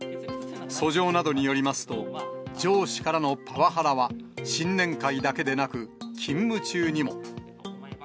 訴状などによりますと、上司からのパワハラは、新年会だけでなく、勤務中にも。